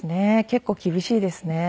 結構厳しいですね。